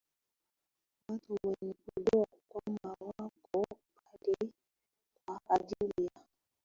watu wenye kujua kwamba wako pale kwa ajili ya